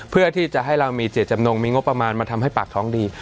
เพื่อที่จะให้เรามีเจตจำนงมีงบประมาณมาทำให้ปากท้องดี